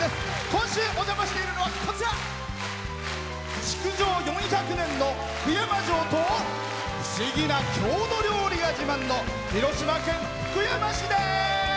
今週お邪魔しているのは築城４００年の福山城と不思議な郷土料理が自慢の広島県福山市です。